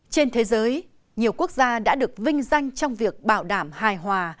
trên thế giới nhiều quốc gia đã được vinh danh trong việc bảo đảm hài hòa